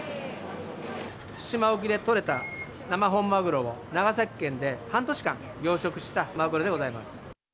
対馬沖で取れた生本マグロを長崎県で半年間養殖したマグロでございます。